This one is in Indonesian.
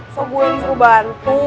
so gue disuruh bantu